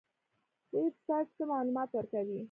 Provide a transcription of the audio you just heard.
ویب سایټ څه معلومات ورکوي؟